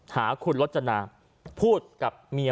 หาคุณรจนาพูดกับเมีย